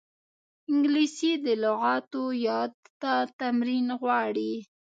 انګلیسي د لغاتو یاد ته تمرین غواړي